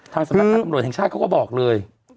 สำนักงานตำรวจแห่งชาติเขาก็บอกเลย